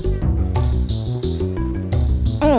tapi kamu tau alamatnya kan